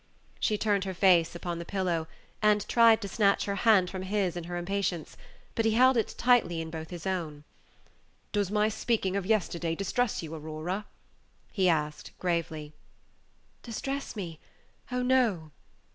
She turned her face upon the pillow, and tried to snatch her hand from his in her impatience, but he held it tightly in both his own. "Does my speaking of yesterday distress you, Aurora?" he asked, gravely. "Distress me? Oh, no."